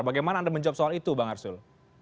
bagaimana anda menjawab soal itu bang arsul